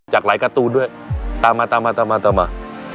จากหลายการ์ตูนด้วยตามมาตามมาตามมา